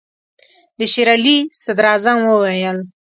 د شېر علي صدراعظم وویل.